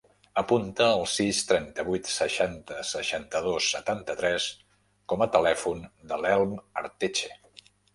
Apunta el sis, trenta-vuit, seixanta, seixanta-dos, setanta-tres com a telèfon de l'Elm Arteche.